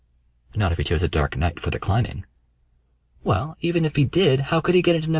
"Not if he chose a dark night for the climbing." "Well, even if he did, how could he get into No.